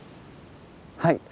はい。